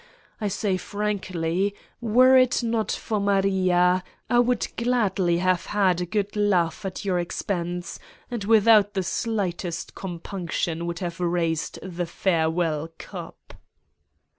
I say frankly: were it not for Maria I would gladly have had a good laugh at your ex pense, and, without the slightest compunction would have raised the farewell cup